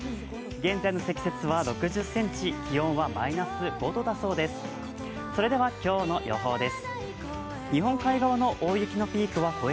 現在の積雪は６０ｃｍ、気温はマイナス５度だそうです。